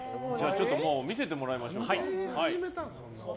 見せてもらいましょうか。